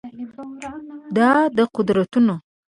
دا د قدرتونو